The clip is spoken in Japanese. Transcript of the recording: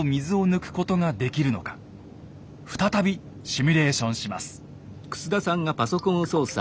再びシミュレーションします。